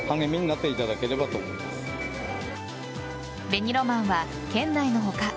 紅ロマンは県内の他